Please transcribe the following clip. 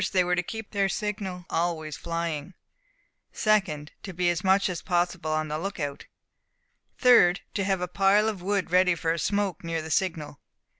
They were to keep their signal always flying. 2d. To be as much as possible on the lookout. 3d. To have a pile of wood ready for a smoke near the signal.